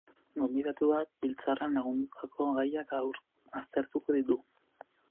Gonbidatuak, biltzarrean landutako gaiak aztertuko ditu.